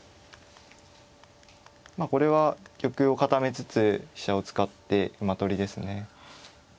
これは玉を固めつつ飛車を使って馬取りですね。